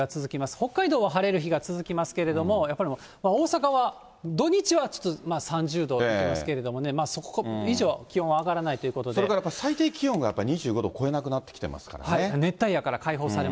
北海道は晴れる日が続きますけれども、大阪は土日はちょっと３０度になっていますけれどもね、そこ以上、それから最低気温がやっぱり２５度超えなくなってきてますからね。